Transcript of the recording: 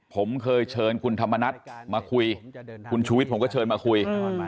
ผมเคยเชิญคุณธรรมนัฐมาคุยคุณชูวิทย์ผมก็เชิญมาคุย